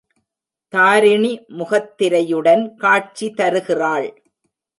தாரிணி முகத்திரையுடன் காட்சி தருகிறாள்.